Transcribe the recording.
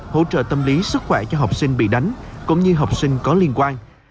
hỗ trợ tâm lý sức khỏe cho học sinh bị đánh cũng như học sinh có liên quan